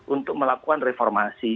untuk melakukan reformasi